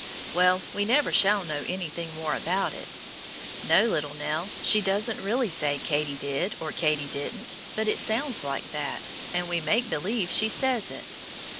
Well, we never shall know anything more about it. No, little Nell, she doesn't really say Katy did or Katy didn't, but it sounds like that, and we make believe she says it.